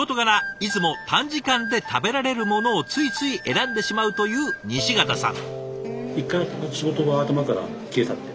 いつも短時間で食べられるものをついつい選んでしまうという西潟さん。